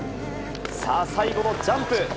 さあ、最後のジャンプ。